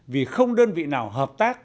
vì không đơn vị nào hợp tác